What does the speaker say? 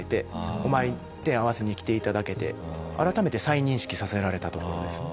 お参り手合わせに来て頂けて改めて再認識させられたところです。